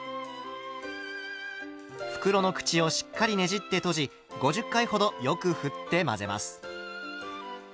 袋の口をしっかりねじって閉じ５０回ほどよくふって混ぜます。